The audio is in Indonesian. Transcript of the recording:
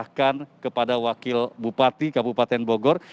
bahkan kepada wakil bupati kabupaten bogor